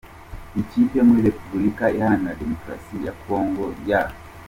Ikipe yo muri Repubulika iharanira Demokarasi ya Congo ya St.